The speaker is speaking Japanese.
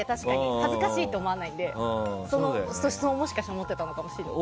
恥ずかしいと思わないのでその素質も、もしかしたら持ってたのかもしれないです。